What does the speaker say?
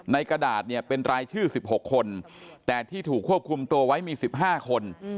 กระดาษเนี่ยเป็นรายชื่อ๑๖คนแต่ที่ถูกควบคุมตัวไว้มี๑๕คน